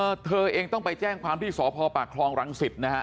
เอ่อเธอเองต้องไปแจ้งความที่สพปคลองรังศิษฐ์นะฮะ